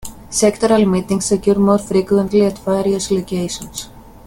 Sectoral meetings occur more frequently at various locations.